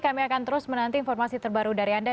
kami akan terus menanti informasi terbaru dari anda